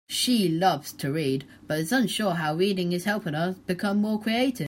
She loves to read, but is unsure how reading is helping her become more creative.